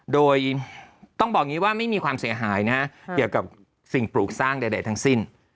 โดยต้องบอกอย่างนี้ว่าไม่มีความเสียหายนะฮะเกี่ยวกับสิ่งปลูกสร้างใดทั้งสิ้น